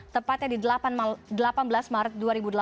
tepatnya di delapan belas maret dua ribu delapan belas